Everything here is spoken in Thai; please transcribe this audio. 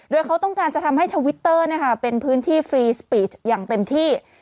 โดยเขาต้องการจะทำให้ทวิตเตอร์เป็นพื้นที่ฟรีสปีดอย่างเต็มที่